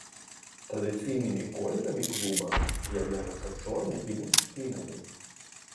Традыцыйнымі колерамі клуба з'яўляюцца чорны і бурштынавы.